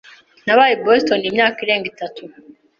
Nabaye i Boston imyaka irenga itatu.